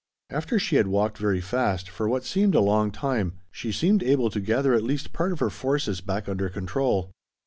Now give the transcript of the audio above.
After she had walked very fast for what seemed a long time she seemed able to gather at least part of her forces back under control.